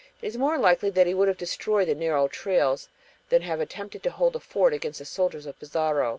It is more likely that he would have destroyed the narrow trails than have attempted to hold the fort against the soldiers of Pizarro.